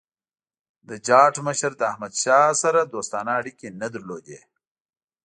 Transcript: د جاټ مشر له احمدشاه سره دوستانه اړیکي نه درلودل.